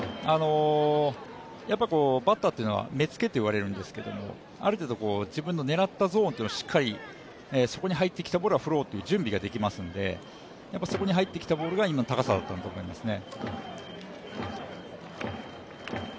やっぱりバッターというのは目つけといわれるんですけどもある程度、自分の狙ったゾーンというのは、そこのゾーンに入ってきたボールは振ろうという準備ができますので、入ってきたボールが今の高さだったんだと思いますね。